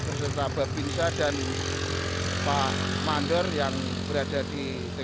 bersama bapingsa dan pak mandar yang berada di tkp sini